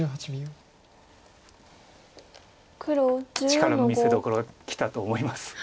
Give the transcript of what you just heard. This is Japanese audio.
力の見せどころがきたと思います。